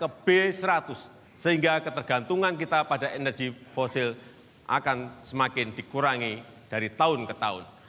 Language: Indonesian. ke b seratus sehingga ketergantungan kita pada energi fosil akan semakin dikurangi dari tahun ke tahun